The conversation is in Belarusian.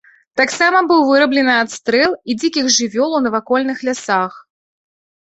Таксама быў выраблены адстрэл і дзікіх жывёл у навакольных лясах.